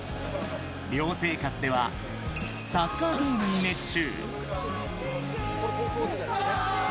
寮生活では、サッカーゲームに熱中。